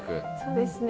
そうですね。